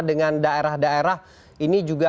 dengan daerah daerah ini juga